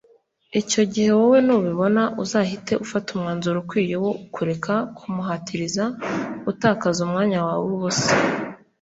icyo gihe wowe nubibona uzahite ufata umwanzuro ukwiye wo kureka kumuhatiriza utakaza umwanya wawe wubusa